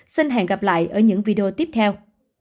xin hẹn gặp lại ở những video tiếp theo